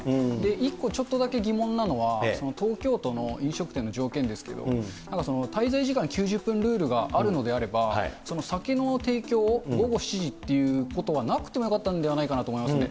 一個ちょっとだけ疑問なのは、東京都の飲食店の条件ですけど、なんか、なんか滞在時間９０分ルールがあるのであれば、酒の提供を午後７時っていうことは、なくてもよかったんではないかなと思いますね。